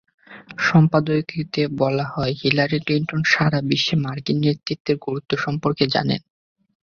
সম্পাদকীয়তে বলা হয়, Hillary Clinton সারা বিশ্বে মার্কিন নেতৃত্বের গুরুত্ব সম্পর্কে জানেন।